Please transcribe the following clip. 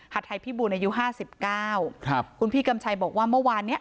ไทยพิบูรณอายุห้าสิบเก้าครับคุณพี่กำชัยบอกว่าเมื่อวานเนี้ย